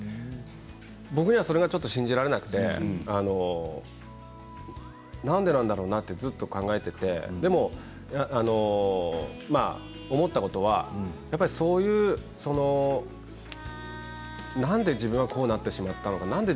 僕にはそれが信じられなくてなんでなんだろうなってずっと考えていてでも思ったことはやっぱりそういうなんで自分はこうなってしまったんだろう